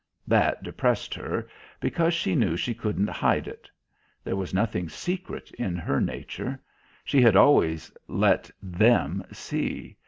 That depressed her, because she knew she couldn't hide it; there was nothing secret in her nature; she had always let "them" see.